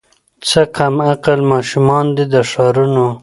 څه کم عقل ماشومان دي د ښارونو